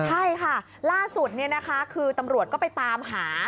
ใช่ค่ะล่าสุดคือตำรวจก็ไปตามหา